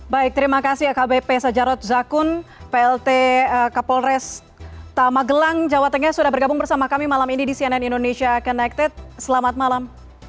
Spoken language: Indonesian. baik terima kasih akbp sajarot zakun plt kapolres tamagelang jawa tengah sudah bergabung bersama kami malam ini di cnn indonesia connected selamat malam